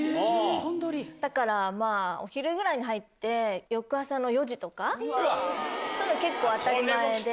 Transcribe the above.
だからまあお昼ぐらいに入って、翌朝の４時とか、そういうの結構当たり前で。